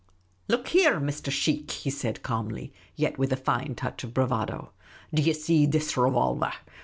" Look here, Mr. Sheikh," he said, calmly, yet with a fine touch of bravado ;" do ye see this revolver